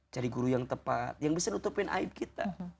jadi guru yang tepat yang bisa nutupin aib kita